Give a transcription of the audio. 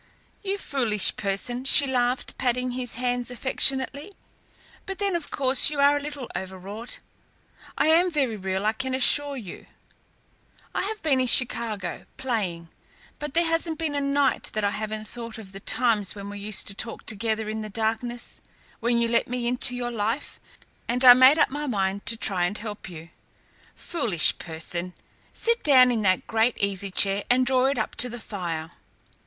"You foolish person!" she laughed, patting his hands affectionately. "But then, of course, you are a little overwrought. I am very real, I can assure you. I have been in Chicago, playing, but there hasn't been a night when I haven't thought of the times when we used to talk together in the darkness, when you let me into your life, and I made up my mind to try and help you. Foolish person! Sit down in that great easy chair and draw it up to the fire."